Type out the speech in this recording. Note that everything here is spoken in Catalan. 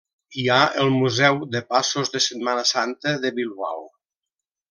Hi ha el Museu de Passos de Setmana Santa de Bilbao.